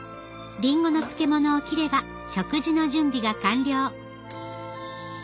りんごの漬物を切れば食事の準備が完了